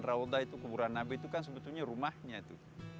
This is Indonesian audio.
raudah itu kuburan nabi itu kan sebetulnya rumahnya itu